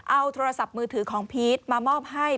เอาโทรศัพท์มือถือของพีชมามอบให้